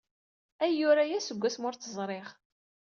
Ayyur aya seg wasmi ur tt-ẓriɣ.